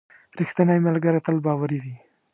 • رښتینی ملګری تل باوري وي.